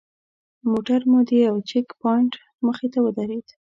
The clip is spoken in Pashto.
موټر مو د یوه چیک پواینټ مخې ته ودرېد.